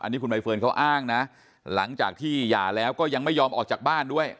นี่คุณใบเฟิร์นเขาอ้างนะหลังจากที่หย่าแล้วก็ยังไม่ยอมออกจากบ้านด้วย